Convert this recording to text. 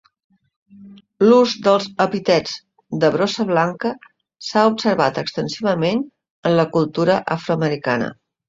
L'ús dels epítets de "brossa blanca" s'ha observat extensivament en la cultura afroamericana.